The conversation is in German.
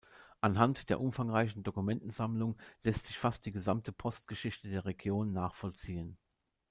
Anhand der umfangreichen Dokumentensammlung lässt sich fast die gesamte Postgeschichte der Region nachvollziehen.